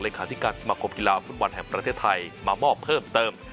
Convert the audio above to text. ขาธิการสมาคมกีฬาฟุตบอลแห่งประเทศไทยมามอบเพิ่มเติม